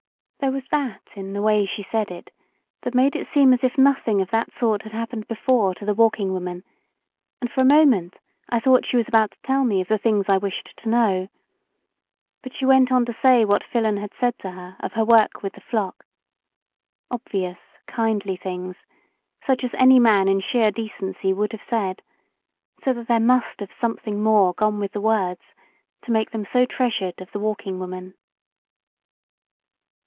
There was that in the way she said it that made it seem as if nothing of the sort had happened before to the Walking Woman, and for a moment I thought she was about to tell me one of the things I wished to. know; but she went on to say what Filon had said to her of her work with the flock. Obvious, kind ly things, such as any man in sheer decency would have said, so that there must have some LOST BORDERS thing more gone with the words to make them so treasured of the Walking Woman.